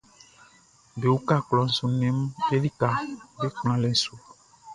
Be uka klɔʼn su nnɛnʼm be likaʼm be kplanlɛʼn su.